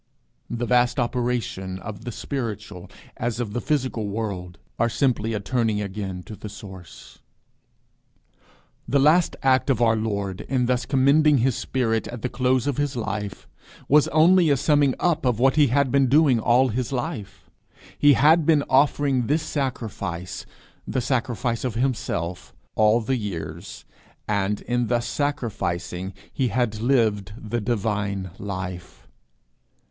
'" The vast operations of the spiritual as of the physical world, are simply a turning again to the source. The last act of our Lord in thus commending his spirit at the close of his life, was only a summing up of what he had been doing all his life. He had been offering this sacrifice, the sacrifice of himself, all the years, and in thus sacrificing he had lived the divine life.